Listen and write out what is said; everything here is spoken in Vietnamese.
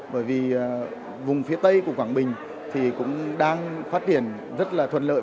bởi vì vùng phía tây của quảng bình thì cũng đang phát triển rất là thuận lợi